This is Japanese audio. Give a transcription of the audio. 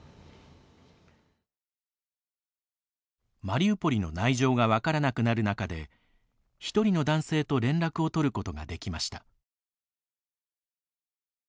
マリウポリの内情が分からなくなる中で１人の男性と連絡を取ることができました。